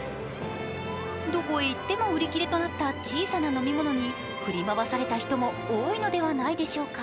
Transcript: どこへ行っても売り切れとなった小さな飲み物に振り回された人も多いのではないでしょうか。